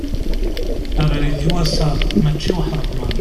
Abrid i wasaḍ mačči i uḥreḍman.